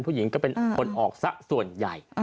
ผู้หญิงก็เป็นคนออกซะส่วนใหญ่